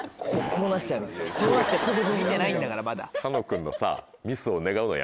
見てないんだからまだ。